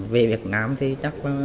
về việt nam thì chắc là